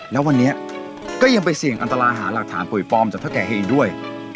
แล้ววันนี้ก็ยังไปเสี่ยงอันตรายหาหลักฐานป่วยปลอมจากเท่าแก่ให้อีกด้วย